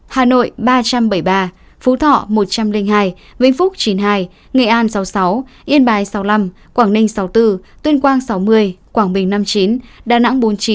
hà nội ba trăm bảy mươi ba phú thọ một trăm linh hai vĩnh phúc chín mươi hai nghệ an sáu mươi sáu yên bái sáu mươi năm quảng ninh sáu mươi bốn tuyên quang sáu mươi quảng bình năm mươi chín đà nẵng bốn mươi chín